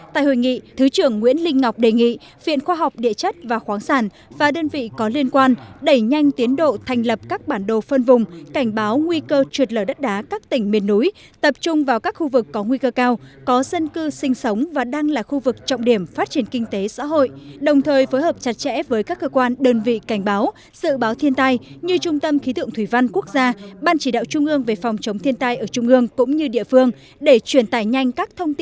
tại hội nghị thứ trưởng nguyễn linh ngọc đề nghị viện khoa học địa chất và khoáng sản và đơn vị có liên quan đẩy nhanh tiến độ thành lập các bản đồ phân vùng cảnh báo nguy cơ chuột lở đất đá các tỉnh miền núi tập trung vào các khu vực có nguy cơ cao có dân cư sinh sống và đang là khu vực trọng điểm phát triển kinh tế xã hội đồng thời phối hợp chặt chẽ với các cơ quan đơn vị cảnh báo dự báo thiên tai như trung tâm khí tượng thủy văn quốc gia ban chỉ đạo trung ương về phòng chống thiên tai ở trung ương cũng như địa phương